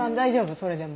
それでも？